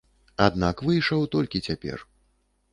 Аднак выйшаў толькі цяпер.